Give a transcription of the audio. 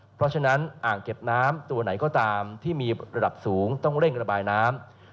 เพราะฉะนั้นอ่างเก็บน้ำตัวไหนก็ตามที่มีระดับสูงต้องเร่งระบายน้ำ